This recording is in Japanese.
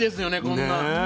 こんな。